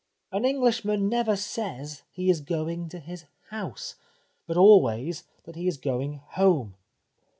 An Englishman never says he is going to his ' house,' but always that he is going ' home.'